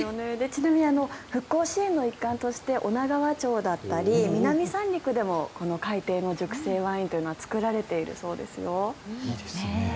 ちなみに復興支援の一環として女川町だったり南三陸でも海底の熟成ワインというのは作られているそうですよ。